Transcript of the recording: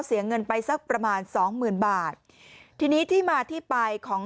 เสียเงินไปสักประมาณสองหมื่นบาททีนี้ที่มาที่ไปของ